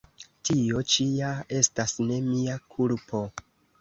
Tio ĉi ja estas ne mia kulpo!